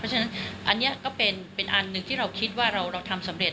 เพราะฉะนั้นอันนี้ก็เป็นอันหนึ่งที่เราคิดว่าเราทำสำเร็จ